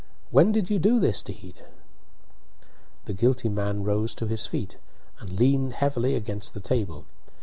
When did you do this deed?" The guilty man rose to his feet, and leaned heavily against the table.